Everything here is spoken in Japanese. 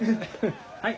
はい。